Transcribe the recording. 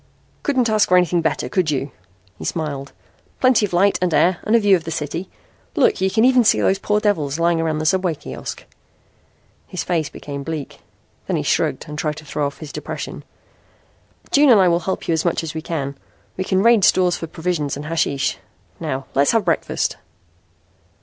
"Couldn't ask for anything better, could you?" he smiled. "Plenty of light and air and a view of the city. Look, you can even see those poor devils lying around the subway kiosk." His face became bleak. Then he shrugged and tried to throw off his depression. "June and I will help you as much as we can. We can raid stores for provisions and hashish. New let's have breakfast."